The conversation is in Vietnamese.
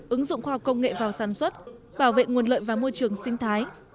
ứng dụng khoa học công nghệ vào sản xuất bảo vệ nguồn lợi và mô tả